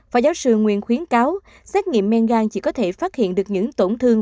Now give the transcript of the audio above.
phó giáo sư nguyễn khuyến cáo xét nghiệm men gan chỉ có thể phát hiện được những tổn thương